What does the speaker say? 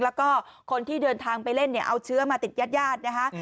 แล้วก็คนที่เดินทางไปเล่นเอาเชื้อมาติดยาดนะคะ